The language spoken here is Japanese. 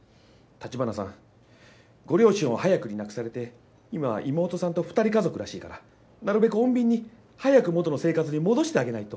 城華さんご両親を早くに亡くされて今は妹さんと２人家族らしいからなるべく穏便に早く元の生活に戻してあげないと。